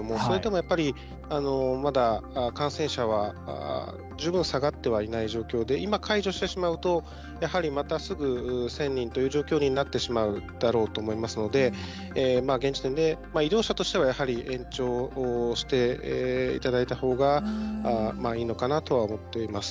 やっぱりまだ、感染者は十分、下がってはいない状況で今、解除してしまうとやはり、またすぐ１０００人という状況になってしまうだろうと思いますので現時点で医療者としては延長していただいたほうがいいのかなとは思っております。